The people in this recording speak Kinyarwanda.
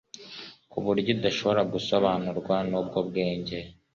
ku buryo idashobora gusobanurwa n'ubwo bwenge.